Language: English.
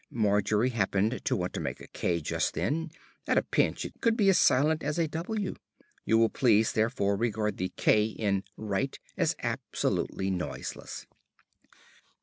Margery happened to want to make a "k" just then; at a pinch it could be as silent as a "w." You will please, therefore, regard the "k" in "Krite" as absolutely noiseless.